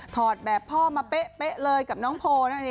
ถอดแบบพ่อมาเป๊ะเลยกับน้องโภ